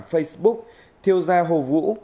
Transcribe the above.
facebook thiêu gia hồ vũ